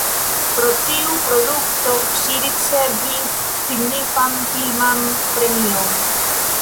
Pro tiu produkto ŝi ricevis signifan filman premion.